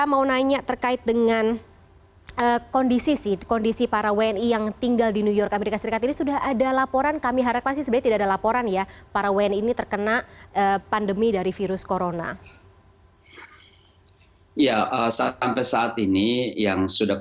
assalamualaikum warahmatullahi wabarakatuh